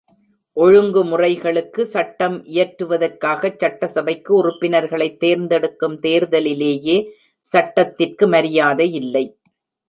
ஒழுங்கு முறைகளுக்கு சட்டம் இயற்றுவதற்காகச் சட்டசபைக்கு உறுப்பினர்களைத் தேர்ந்தெடுக்கும் தேர்தலிலேயே சட்டத்திற்கு மரியாதை இல்லை.